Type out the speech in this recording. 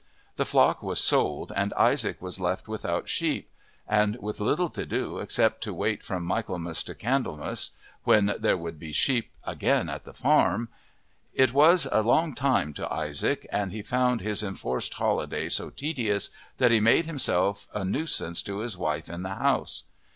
The flock was sold and Isaac was left without sheep, and with little to do except to wait from Michaelmas to Candlemas, when there would be sheep again at the farm. It was a long time to Isaac, and he found his enforced holiday so tedious that he made himself a nuisance to his wife in the house.